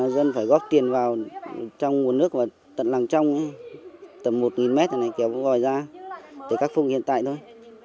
dân phải góp tiền vào trong nguồn nước và tận làng trong tầm một m này kéo vòi ra để khắc phục hiện tại thôi